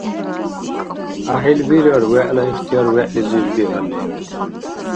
ГӀяхӀил бирар вегӀла ихтияр вегӀлизиб биалли.